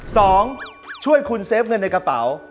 ช่วยคุณเซฟเงินในกระเป๋า